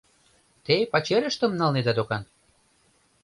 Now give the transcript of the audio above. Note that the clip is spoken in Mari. Те пачерыштым налнеда докан?